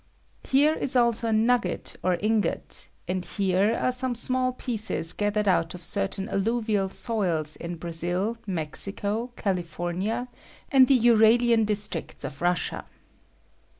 Here is also a nugget or ingot, and here are some small pieces gathered out of certain alluvial soils in Brazil, Mexico, California, and the Urahan districts of Russia.